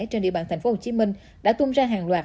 trên địa bàn tp hcm đã tung ra hàng loạt